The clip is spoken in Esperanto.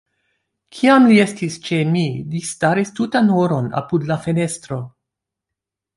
Kiam li estis ĉe mi, li staris tutan horon apud la fenestro.